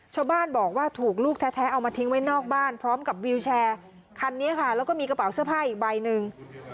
ชาวบ้านบอกว่าถูกลูกแท้เอามาทิ้งไว้นอกบ้านพร้อมกับวิวแชร์คันนี้ค่ะแล้วก็มีกระเป๋าเสื้อผ้าอีกใบหนึ่ง